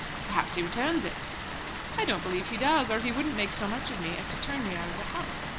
"Perhaps he returns it." "I don't believe he does, or he wouldn't make so much of me as to turn me out of the House.